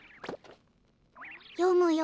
よむよ。